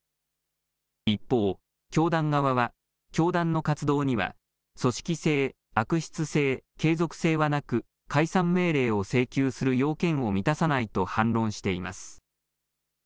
一方、教団側は、教団の活動には、組織性、悪質性、継続性はなく、解散命令を請求する要件を満たさないと反論しています。